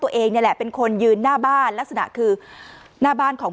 นี่แหละเป็นคนยืนหน้าบ้านลักษณะคือหน้าบ้านของ